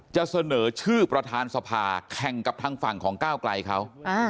จะเสนอชื่อประธานสภาแข่งกับทางฝั่งของก้าวไกลเขา